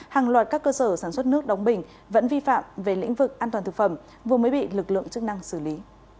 hàng loạt các cơ sở sản xuất nước đóng bình vẫn vi phạm về lĩnh vực an toàn thực phẩm vừa mới bị lực lượng chức năng xử lý